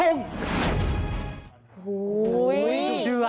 โห้ยยยยยดุเดือด